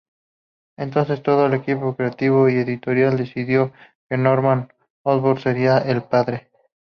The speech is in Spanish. Entonces todo el equipo creativo y editorial decidió que Norman Osborn sería el padre.